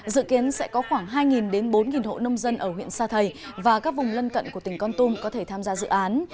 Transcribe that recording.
dự kiến sẽ có khoảng hai đến bốn hộ nông dân ở huyện sa thầy và các vùng lân cận của tỉnh con tum có thể tham gia dự án